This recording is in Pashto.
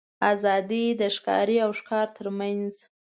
آزادي د ښکاري او ښکار تر منځ.